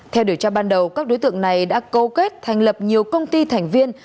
theo điều tra ban đầu các đối tượng này đã câu kết thành lập nhiều công ty thành viên